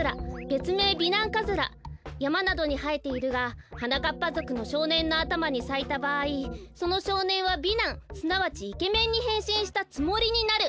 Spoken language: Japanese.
べつめい美男カズラやまなどにはえているがはなかっぱぞくのしょうねんのあたまにさいたばあいそのしょうねんは美男すなわちイケメンにへんしんしたつもりになる。